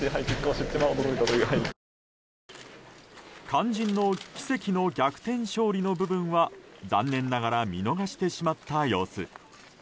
肝心の奇跡の逆転勝利の部分は残念ながら見逃してしまった様子。